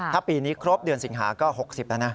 ถ้าปีนี้ครบเดือนสิงหาก็๖๐แล้วนะ